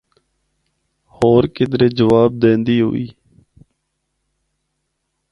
ہور کدرے جواب دیندی ہوئی۔